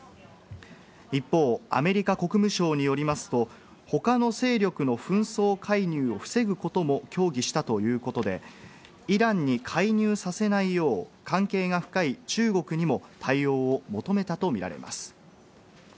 一方、アメリカ国務省によりますと、他の勢力の紛争介入を防ぐことも協議したということで、イランに介入させないよう、関係が深い中国にも対応を求めたとみられます。